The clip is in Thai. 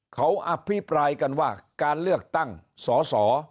เขาอภิปรายกันว่าการเลือกตั้งสอสอ